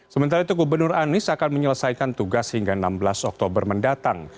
sementara itu gubernur anies akan menyelesaikan tugas hingga enam belas oktober mendatang